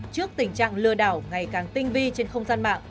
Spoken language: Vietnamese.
trước tình trạng lừa đảo ngày càng tinh vi trên không gian mạng